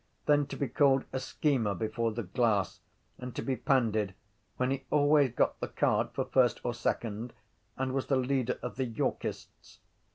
Then to be called a schemer before the class and to be pandied when he always got the card for first or second and was the leader of the Yorkists!